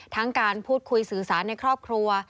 การพูดคุยสื่อสารในครอบครัว